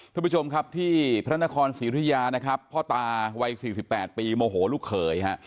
ทุกผู้ชมครับที่พระนครศรีอุทยานะครับพ่อตาวัย๔๘ปีโมโหลูกเขยฮะ